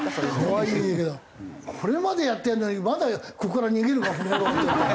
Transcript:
かわいいけどこれまでやってるのにまだここから逃げるかこの野郎って。